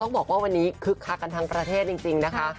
บอกว่าวันนี้คึกคักกันทั้งประเทศจริงนะคะ